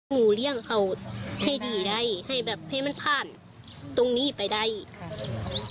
เลี่ยงเขาให้ดีได้ให้แบบให้มันผ่านตรงนี้ไปได้อีกค่ะ